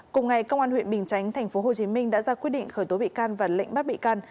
cùng ngày công an huyện bình chánh tp hcm đã ra quyết định khởi tố bị can và lệnh bắt bị can